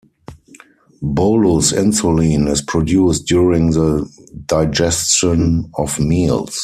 Bolus insulin is produced during the digestion of meals.